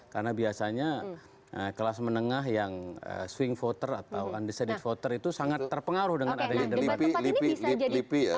karena biasanya kelas menengah yang swing voter atau undecided voter itu sangat terpengaruh dengan adanya demikian